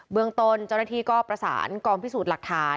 เมืองตนเจ้าหน้าที่ก็ประสานกองพิสูจน์หลักฐาน